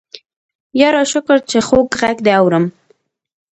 يره شکر چې خوږ غږ دې اورم.